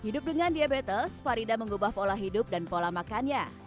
dengan diabetes farida mengubah pola hidup dan pola makannya